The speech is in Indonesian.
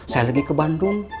saya lagi ke bandung